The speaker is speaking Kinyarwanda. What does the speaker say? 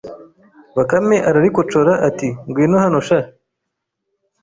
bakame ararikocora ati: gwino hano sha